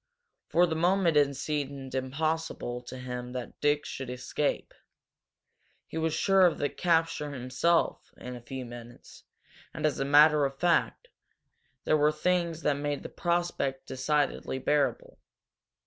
For the moment it seemed impossible to him that Dick should escape. He was sure of capture himself in a few minutes, and, as a matter of fact, there were things that made the prospect decidedly bearable.